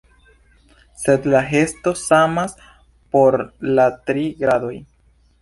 Sed la gesto samas por la tri gradoj.